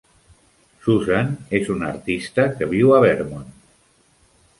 Susan és una artista que viu a Vermont.